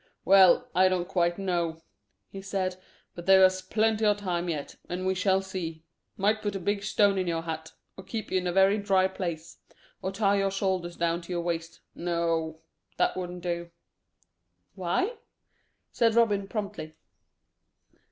"Well, I don't quite know," he said; "but there's plenty o' time yet, and we shall see. Might put a big stone in your hat; or keep you in a very dry place; or tie your shoulders down to your waist no, that wouldn't do." "Why?" said Robin promptly.